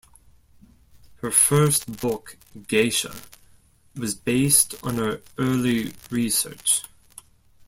Her first book, "Geisha", was based on her early research.